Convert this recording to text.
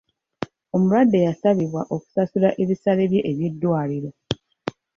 Omulwadde yasabibwa okusasula ebisale bye eby'eddwaliro.